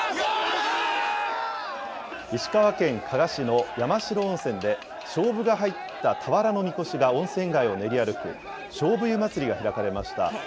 石川県加賀市の山代温泉で、しょうぶが入った俵のみこしが温泉街を練り歩く、菖蒲湯まつりが開かれました。